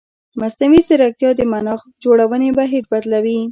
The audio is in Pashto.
مصنوعي ځیرکتیا د معنا جوړونې بهیر بدلوي.